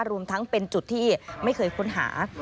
รวมทั้งเป็นจุดที่ไม่เคยค้นหา